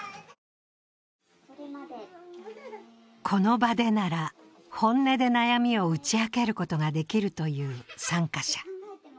この場でなら本音で悩みを打ち明けることができるという参加者。